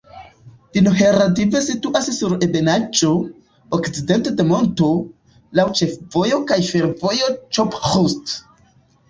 Vinohradiv situas sur ebenaĵo, okcidente de monto, laŭ ĉefvojo kaj fervojo Ĉop-Ĥust.